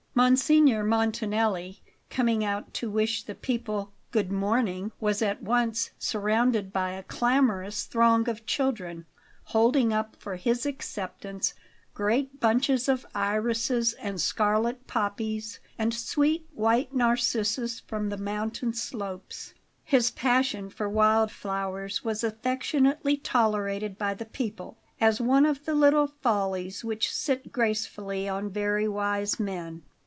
Monsignor Montanelli, coming out to wish the people "Good morning," was at once surrounded by a clamourous throng of children, holding up for his acceptance great bunches of irises and scarlet poppies and sweet white narcissus from the mountain slopes. His passion for wild flowers was affectionately tolerated by the people, as one of the little follies which sit gracefully on very wise men.